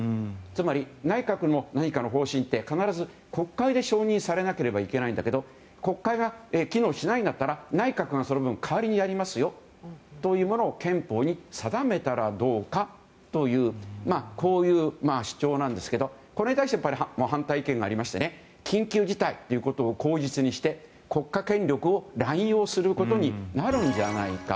つまり、内閣の何かの方針って必ず国会で承認されなければいけないんだけど国会が機能しないんだったら内閣がその分代わりにやりますよというものを憲法に定めたらどうかというこういう主張なんですがこれに対して反対意見がありまして緊急事態ということを口実にして国家権力を乱用することになるんじゃないか。